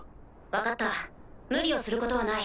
分かった無理をすることはない